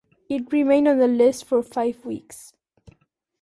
It remained on the list for five weeks.